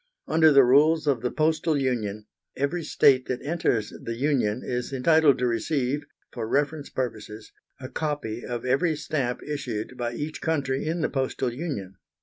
Under the rules of the Postal Union, every state that enters the Union is entitled to receive, for reference purposes, a copy of every stamp issued by each country in the Postal Union.